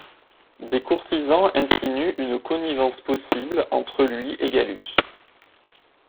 Des courtisans insinuent une connivence possible entre lui et Gallus.